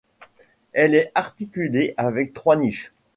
Elle est articulée avec trois niches.